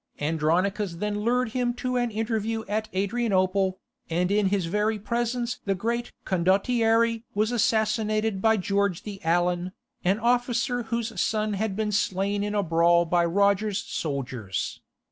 Andronicus then lured him to an interview at Adrianople, and in his very presence the great condottiere was assassinated by George the Alan, an officer whose son had been slain in a brawl by Roger's soldiers.